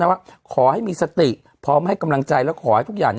ว่าขอให้มีสติพร้อมให้กำลังใจและขอให้ทุกอย่าง